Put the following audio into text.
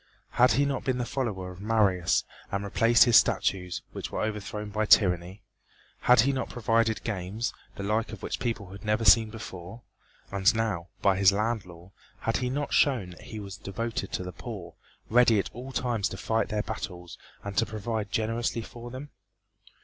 Had he not been the follower of Marius and replaced his statues which were overthrown by tyranny? Had he not provided games the like of which the people had never seen before? And now, by his land law, had he not shown that he was devoted to the poor, ready at all times to fight their battles and to provide generously for them?